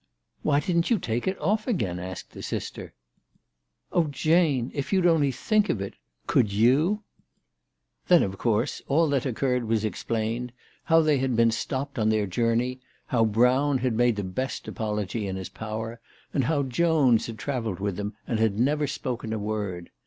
" Why didn't you take it off again ?" asked the sister. " Oh, Jane, if you'd only think of it ! Could you ?" s 258 CHRISTMAS AT THOMPSON HALL. Then of course all that occurred was explained, how they had been stopped on their journey, how Brown had made the best apology in his power, and how Jones had travelled with them and had never spoken a word.